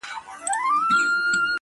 o د دې نړۍ انسان نه دی په مخه یې ښه.